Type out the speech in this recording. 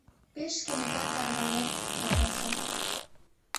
— Пеш кенета тарванет, лаваса.